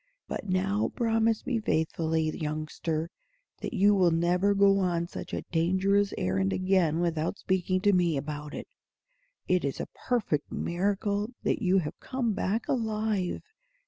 But now promise me faithfully, youngster, that you will never go on such a dangerous errand again without speaking to me about it. It is a perfect miracle that you have come back alive!